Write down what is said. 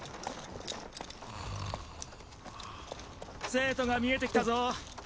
・聖都が見えてきたぞ